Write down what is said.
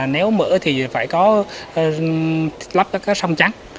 nếu mở thì phải có lắp các sông trắng